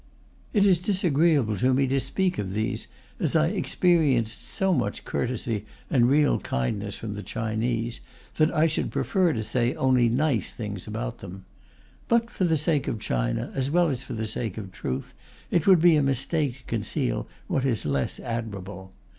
It is disagreeable to me to speak of these, as I experienced so much courtesy and real kindness from the Chinese, that I should prefer to say only nice things about them. But for the sake of China, as well as for the sake of truth, it would be a mistake to conceal what is less admirable.